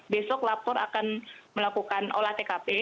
besok lapor akan melakukan olah tkp